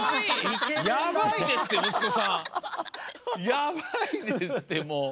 やばいですってもう。